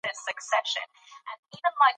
پر هر ځای چي ټولۍ وینی د پوهانو